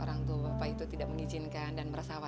orang tua bapak itu tidak mengizinkan dan merasa apa